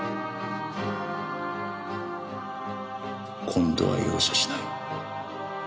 今度は容赦しない。